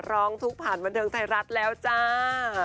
ร้องทุกข์ผ่านบันเทิงไทยรัฐแล้วจ้า